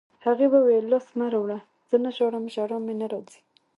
هغې وویل: لاس مه راوړه، زه نه ژاړم، ژړا مې نه راځي.